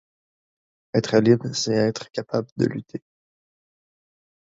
Être libre, c'est être capable de lutter